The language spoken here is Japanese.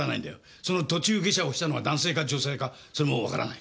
その途中下車をしたのが男性か女性かそれもわからない。